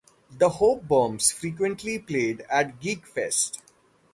The Hope Bombs frequently played at Geekfest.